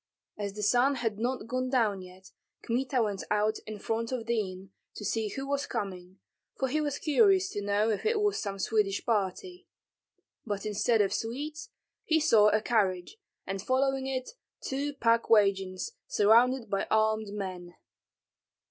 As the sun had not gone down yet, Kmita went out in front of the inn to see who was coming, for he was curious to know if it was some Swedish party; but instead of Swedes he saw a carriage, and following it two pack wagons, surrounded by armed men.